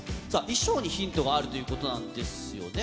衣装にヒントがあるということなんですよね？